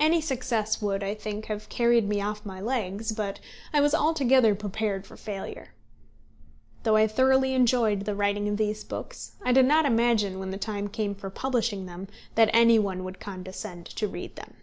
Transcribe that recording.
Any success would, I think, have carried me off my legs, but I was altogether prepared for failure. Though I thoroughly enjoyed the writing of these books, I did not imagine, when the time came for publishing them, that any one would condescend to read them.